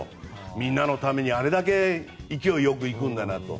みんなのためにあれだけ勢いよくいくんだなと。